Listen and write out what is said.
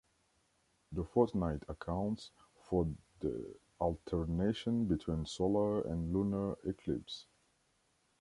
The fortnight accounts for the alternation between solar and lunar eclipse.